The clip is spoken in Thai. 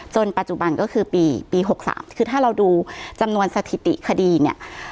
ปัจจุบันก็คือปี๖๓คือถ้าเราดูจำนวนสถิติคดีเนี่ย